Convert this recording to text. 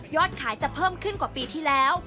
ขายจะเพิ่มขึ้นกว่าปีที่แล้ว